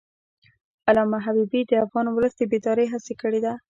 علامه حبیبي د افغان ولس د بیدارۍ هڅه کړې ده.